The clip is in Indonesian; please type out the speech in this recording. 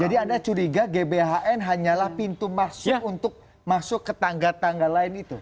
jadi anda curiga gbhn hanyalah pintu masuk untuk masuk ke tangga tangga lain itu